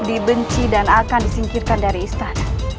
dibenci dan akan disingkirkan dari istana